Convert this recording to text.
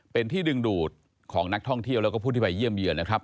เป็นที่ดึงดูดของนักท่องเที่ยวแล้วก็ผู้ที่ไปเยี่ยมเยือนนะครับ